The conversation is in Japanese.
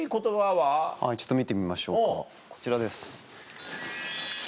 はいちょっと見てみましょうかこちらです。